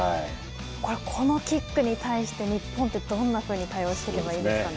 このキックに対して日本ってどんなふうに対応していけばいいですかね？